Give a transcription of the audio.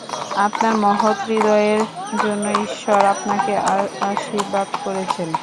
আপনার মহৎ হৃদয়ের জন্য ঈশ্বর আপনাকে আশীর্বাদ করেছেন।